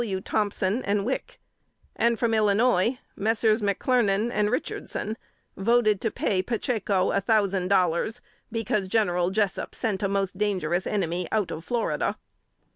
W. Thompson and Wick; and from Illinois, Messrs. McClernand and Richardson voted to pay Pacheco a thousand dollars, because General Jessup sent a most dangerous enemy out of Florida.